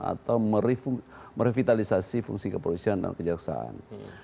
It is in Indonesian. atau merevitalisasi fungsi kepolisian dan kejaksaan